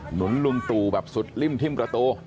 หนุนรุมตูแบบสุดลิ้มทิ้มกระโต๊ะ